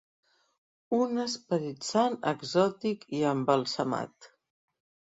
Un Esperit Sant exòtic i embalsamat.